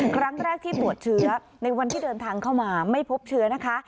ครั้งแรกที่ตรวจเชื้อในวันที่เดินทางเข้ามาไม่พบเชื้อนะคะ